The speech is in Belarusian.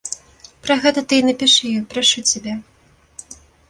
Пра гэта ты і напішы ёй, прашу цябе.